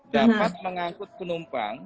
dapat mengangkut penumpang